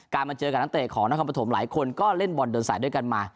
มาเจอกับนักเตะของนครปฐมหลายคนก็เล่นบอลเดินสายด้วยกันมา